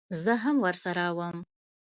زه هم ورسره وم.